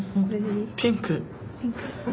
ピンク。